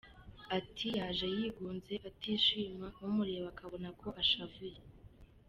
Ati “Yaje yigunze, atishima umureba ukabona ko ashavuye.